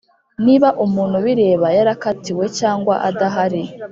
niba umuntu bireba yarakatiwe cyangwa adahari